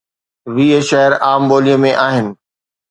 ويهه شعر عام ٻوليءَ ۾ آهن